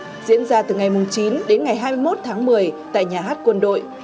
diễn ra từ ngày chín đến ngày hai mươi một tháng một mươi tại nhà hát quân đội